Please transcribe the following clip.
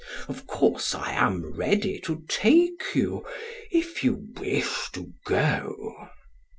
Of course, I am ready to take you, if you wish to go."